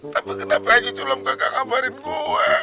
tapi kenapa aja culam kakak ngabarin gue